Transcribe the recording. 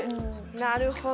なるほど。